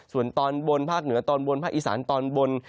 ส่วนตอนบนภาคเหนือตอนบนภาคอีสานตอนบน